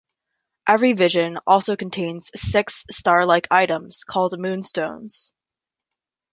Every Vision also contains six star-like items called Moon Stones.